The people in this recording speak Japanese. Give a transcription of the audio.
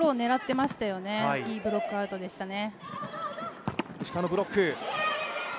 いいブロックアウトでしたね。